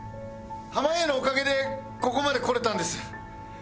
濱家のおかげでここまで来れたんです。